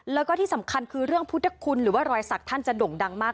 แล้วก็ที่สำคัญคือเรื่องพุทธคุณหรือว่ารอยสักท่านจะด่งดังมาก